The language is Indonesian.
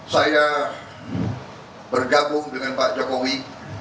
saya bergabung dengan pak jokowi